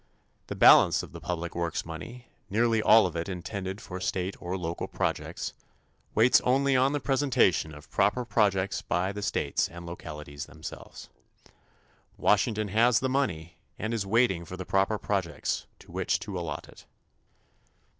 The balance of the public works money, nearly all of it intended for state or local projects, waits only on the presentation of proper projects by the states and localities themselves. Washington has the money and is waiting for the proper projects to which to allot it.